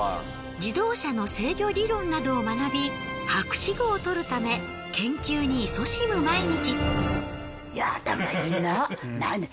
自動車の制御理論などを学び博士号を取るため研究にいそしむ毎日。